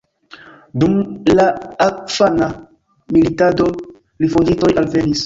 Dum la afgana militado rifuĝintoj alvenis.